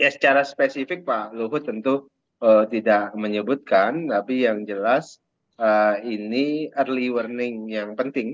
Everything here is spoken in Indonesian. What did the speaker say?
secara spesifik pak luhut tentu tidak menyebutkan tapi yang jelas ini early warning yang penting